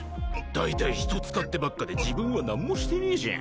だいたい人使ってばっかで自分はなんもしてねぇじゃん。